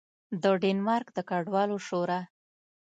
د ډنمارک د کډوالو شورا